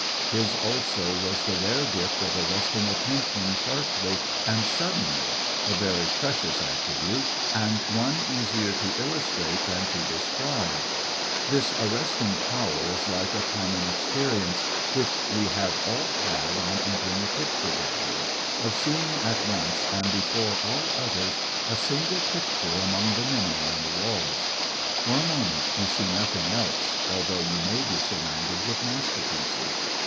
His also was the rare gift of arresting attention sharply and suddenly, a very precious attribute, and one easier to illustrate than to describe. This arresting power is like a common experience, which we have all had on entering a picture gallery, of seeing at once and before all others a single picture among the many on the walls. For a moment you see nothing else, although you may be surrounded with masterpieces.